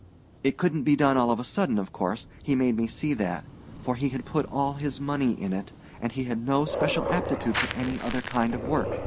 It couldn't be done all of a sudden, of course he made me see that for he had put all his money in it, and he had no special aptitude for any other kind of work.